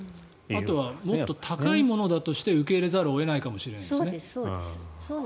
あとはもっと高いものとして受け入れざるを得ないかも。